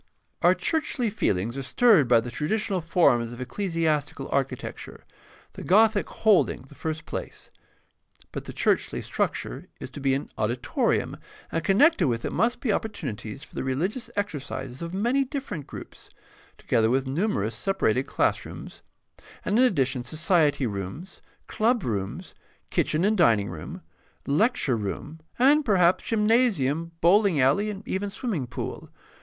Our churchly feelings are stirred by the traditional forms of ecclesiastical architecture, the Gothic holding the first place. But the churchly structure is to be an auditorium, and con nected with it must be opportunities for the religious exercises of many different groups, together with numerous separated classrooms, and in addition society rooms, clubrooms, kitchen and dining room, lecture room, and perhaps gymnasium, bowling alley, and even swimming pool.